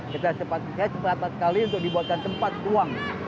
kita sepatu sekali untuk dibuatkan tempat ruang